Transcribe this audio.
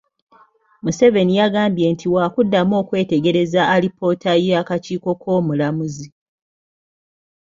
Museveni yagambye nti waakuddamu okwetegereza alipoota y'akakiiko k'Omulamuzi